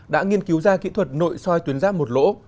đã nghiên cứu ra kỹ thuật nội soi tuyến ráp một lỗ